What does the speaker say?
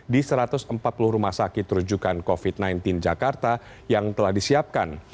di satu ratus empat puluh rumah sakit rujukan covid sembilan belas jakarta yang telah disiapkan